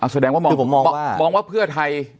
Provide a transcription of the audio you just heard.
แสดงว่ามองว่าเพื่อไทย